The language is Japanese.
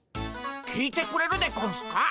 聞いてくれるでゴンスか？